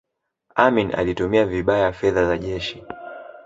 amin alitumia vibaya fedha za jeshi